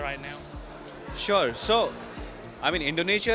sejak kembang di indonesia